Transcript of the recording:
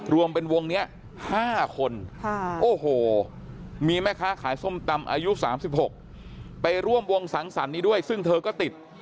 รวมเป็นวงนี้๕คนโอ้โหมีแม่ค้าขายส้มตำอายุ๓๖ไปร่วมวงสังสรรค์นี้ด้วยซึ่งเธอก็ติด